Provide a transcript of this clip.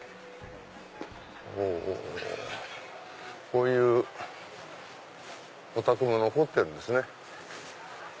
こういうお宅も残ってるんですね。